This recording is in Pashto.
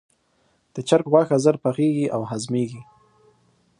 د چرګ غوښه ژر پخیږي او هضمېږي.